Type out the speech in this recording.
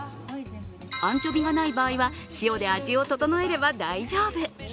アンチョビがない場合は塩で味を調えれば大丈夫。